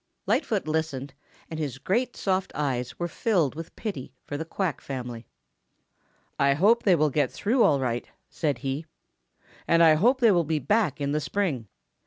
Lightfoot listened and his great soft eyes were filled with pity for the Quack family. "I hope they will get through all right," said he, "and I hope they will get back in the spring.